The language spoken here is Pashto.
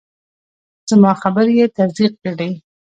زما خبرې یې تصدیق کړې.